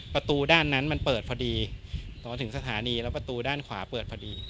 ประตูด้านนั้นมันเปิดพอดีตอนมาถึงสถานีแล้วประตูด้านขวาเปิดพอดี